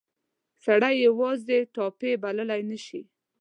سړی یې یوازې ټایپي بللای نه شي.